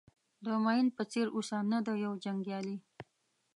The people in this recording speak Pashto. د مین په څېر اوسه نه د یو جنګیالي.